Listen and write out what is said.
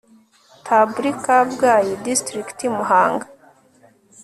tabli Kabgayi District Muhanga